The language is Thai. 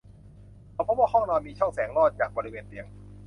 เขาพบว่าห้องนอนมีช่องแสงลอดจากบริเวณเตียง